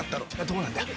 どうなんだよ？